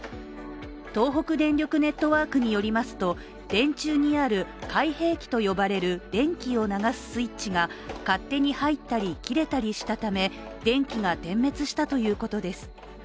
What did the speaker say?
東北電力ネットワークによりますと電柱にある開閉器と呼ばれる電気を流すスイッチが勝手に入ったり切れたりしたため電気が点滅したということです。